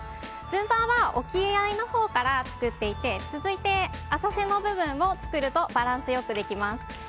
順番は沖合のほうから作っていって続いて浅瀬の部分を作るとバランス良くできます。